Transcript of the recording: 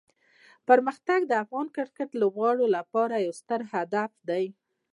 پرمختګ د افغان کرکټ لوبغاړو لپاره یو ستر هدف دی.